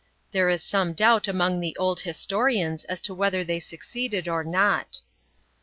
There is some doubt among the old historians as 'to whether they succeeded or ftot.